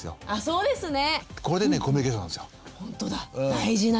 そうですね。